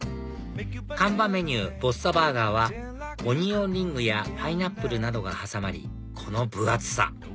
看板メニューボッサバーガーはオニオンリングやパイナップルなどが挟まりこの分厚さ！